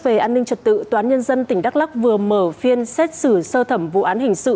tiếp tục về an ninh trật tự tòa án nhân dân tp đắk lắc vừa mở phiên xét xử sơ thẩm vụ án hình sự